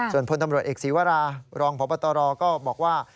ส่วนพลตำรวจเอกศีวรารองพบตรก็บอกว่า